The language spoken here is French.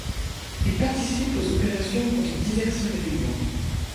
Il participe aux opérations contre diverses rébellions.